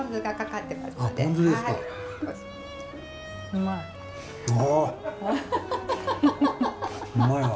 うまいわ。